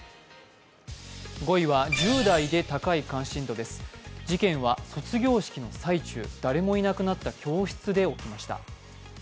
５位は１０代で高い関心度です事件は卒業式の最中誰もいなくなった教室で起きました。